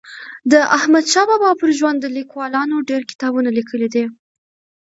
د احمدشاه بابا پر ژوند لیکوالانو ډېر کتابونه لیکلي دي.